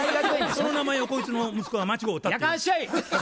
その名前をこいつの息子が間違うたっていう。